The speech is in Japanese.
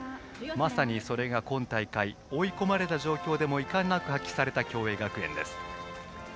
まさに、それが今大会追い込まれた状況でも遺憾なく発揮された共栄学園。